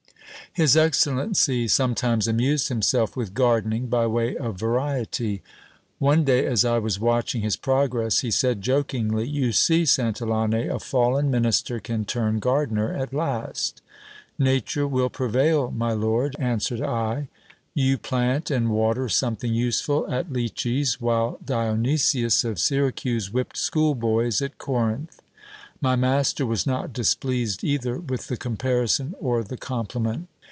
His excellency sometimes amused himself with gardening, by way of variety. One day as I was watching his progress, he said jokingly : You see, Santillane, a fallen minister can turn gardener at last. Nature will prevail, my lord, an swered I. You pjant and water something useful at Loeches, while Dionysius of Syracuse whipped school boys at Corinth. My master was not displeased either with the comparison or the compliment.